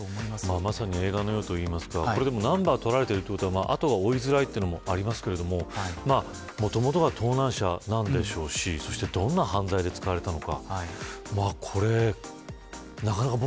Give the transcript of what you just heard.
まさに映画のようといいますかでもナンバーを撮られているということは後が追いづらいということもありますがもともとが盗難車なんでしょうしそしてどんな犯罪で使われたのか。